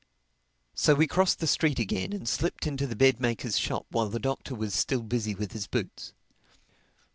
So we crossed the street again and slipped into the bed maker's shop while the Doctor was still busy with his boots.